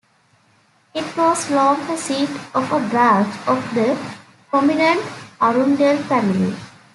It was long a seat of a branch of the prominent Arundell family.